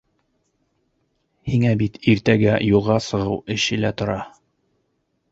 Һиңә бит иртәгә юлға сығыу эше лә тора.